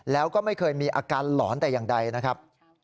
แล้วก็ไม่เคยมีอาการหลอนแต่อย่างใดนะครับ